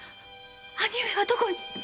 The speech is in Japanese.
兄上はどこに！